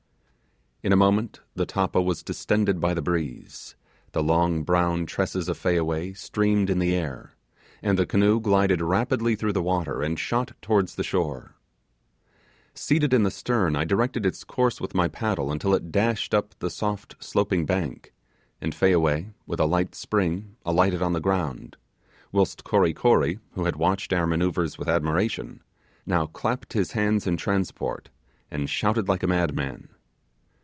In a moment the tappa was distended by the breeze the long brown tresses of Fayaway streamed in the air and the canoe glided rapidly through the water, and shot towards the shore. Seated in the stern, I directed its course with my paddle until it dashed up the soft sloping bank, and Fayaway, with a light spring alighted on the ground; whilst Kory Kory, who had watched our manoeuvres with admiration, now clapped his hands in transport, and shouted like a madman.